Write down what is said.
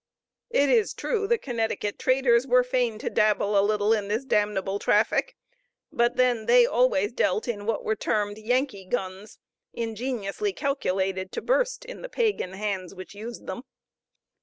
It is true the Connecticut traders were fain to dabble a little in this damnable traffic; but then they always dealt in what were termed Yankee guns, ingeniously calculated to burst in the pagan hands which used them.